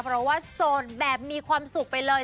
เพราะว่าโสดแบบมีความสุขไปเลย